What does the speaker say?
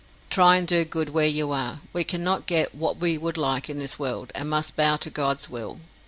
Try and do good where you are. We cannot get what we would like in this world, and must bow to God's will.